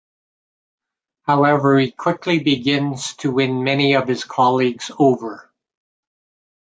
However, he quickly begins to win many of his colleagues over.